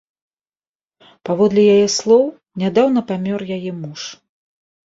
Паводле яе слоў, нядаўна памёр яе муж.